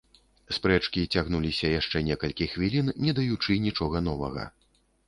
Спрэчкі цягнуліся яшчэ некалькі хвілін, не даючы нічога новага.